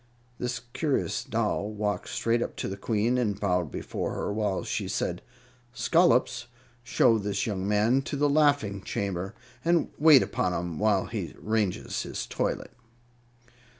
This curious doll walked straight up to the Queen and bowed before her, while she said, "Scollops, show this young man to the laughing chamber, and wait upon him while he arranges his toilet."